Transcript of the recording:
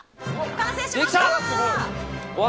完成しました。